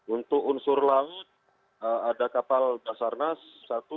untuk unsur langit ada kapal basarnas